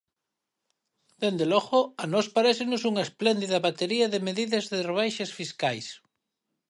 Dende logo, a nós parécenos unha espléndida batería de medidas de rebaixas fiscais.